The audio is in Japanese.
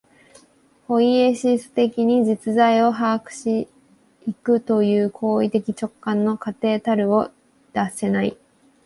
ポイエシス的に実在を把握し行くという行為的直観の過程たるを脱せない。